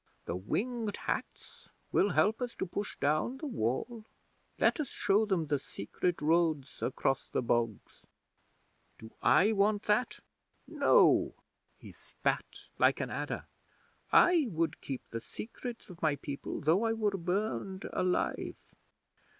The Winged Hats will help us to push down the Wall. Let us show them the secret roads across the bogs.' Do I want that? No!" He spat like an adder. "I would keep the secrets of my people though I were burned alive.